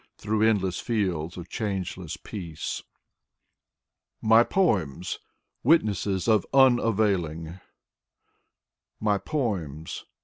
Through endless fields of changeless peace. 32 Nikolai Nekrasov "MY POEMS! WITNESSES OF UNAVAILING My poems!